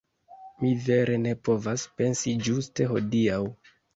Mi vere ne povas pensi ĝuste hodiaŭ